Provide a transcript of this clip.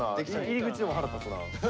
入り口でもう腹立つな。